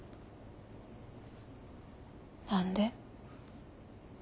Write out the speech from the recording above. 何で？